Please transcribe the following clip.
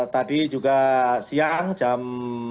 tadi juga siang jam lima belas